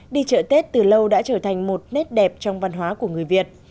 đi chợ tết từ lâu đã trở thành một nét đẹp trong văn hóa của người việt